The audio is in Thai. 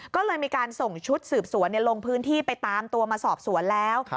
ก็เลยมีการส่งชุดสืบสวนลงพื้นที่ไปตามตัวมาสอบสวนแล้ว